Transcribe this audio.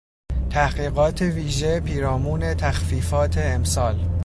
تحقیقات ویژه پیرامون تخفیفات امسال